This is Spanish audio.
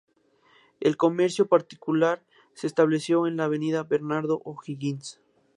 El comercio particular se estableció en la avenida Bernardo O’Higgins.